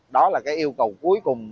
đó là cái yêu cầu cuối cùng